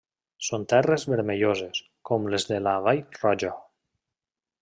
Són terres vermelloses, com les de la Vall Roja.